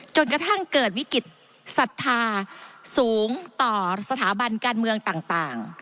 จนกระทั่งเกิดวิกฤตศรัทธาสูงต่อสถาบันการเมืองต่าง